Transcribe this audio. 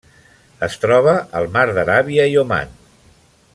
Es troba al Mar d'Aràbia i Oman.